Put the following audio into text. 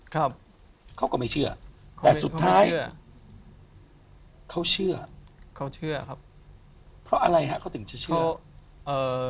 เขาก็ไม่เชื่อแต่สุดท้ายเขาเชื่อเพราะอะไรเขาถึงจะเชื่อ